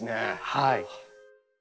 はい。